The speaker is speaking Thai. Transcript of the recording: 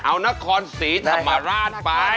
เอานครศรีธรรมราชไป